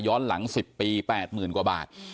ย้อนหลัง๑๐ปี๘๐๐๐๐กว่าบาท